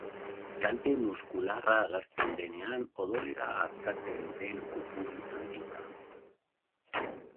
Kalte muskularra agertzen denean odolera askatzen da kopuru handitan.